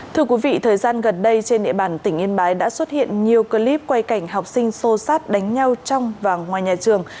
thưa quý vị thời gian gần đây trên địa bàn tỉnh yên bái đã xuất hiện nhiều clip quay cảnh học sinh xô xát đánh nhau trong và ngoài nhà trường